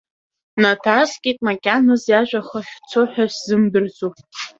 Наҭаскит, макьаназ иажәа ахы ахьцо ҳәа сзымдырӡо.